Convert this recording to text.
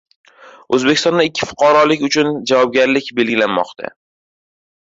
O‘zbekistonda ikki fuqarolik uchun javobgarlik belgilanmoqda